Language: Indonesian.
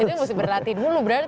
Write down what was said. itu harus berlatih dulu berarti dong